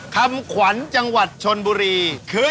คำขวัญจังหวัดชนบุรีคือ